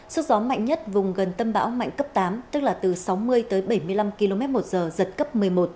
sức gió mạnh nhất vùng gần tâm bão mạnh cấp tám tức là từ sáu mươi tới bảy mươi năm km một giờ giật cấp một mươi một